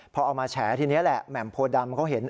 พอเอามาแฉทีนี้แหละแหม่มโพดำเขาเห็น